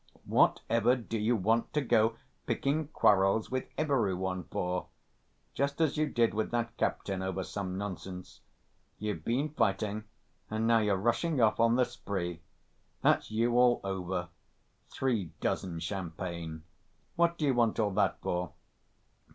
"Whatever do you want to go picking quarrels with every one for? ... Just as you did with that captain over some nonsense.... You've been fighting and now you're rushing off on the spree—that's you all over! Three dozen champagne—what do you want all that for?"